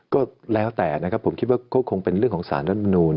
ก็แล้วแต่นะครับผมคิดว่าก็คงเป็นเรื่องของสารรัฐมนูล